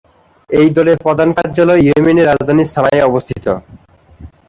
এই দলের প্রধান কার্যালয় ইয়েমেনের রাজধানী সানায় অবস্থিত।